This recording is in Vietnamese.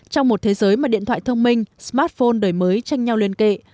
trong một thế giới mà điện thoại thông minh smartphone đổi mới tranh nhau liên kệ